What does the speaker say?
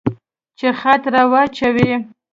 چې خط را واچوي.